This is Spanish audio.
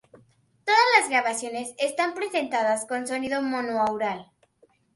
Todas las grabaciones están presentadas con sonido monoaural.